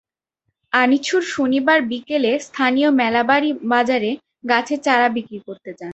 আনিছুর শনিবার বিকেলে স্থানীয় মেলাবাড়ী বাজারে গাছের চারা বিক্রি করতে যান।